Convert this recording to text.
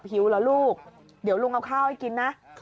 หิวเหรอลูกเดี๋ยวลุงเอาข้าวให้กินนะ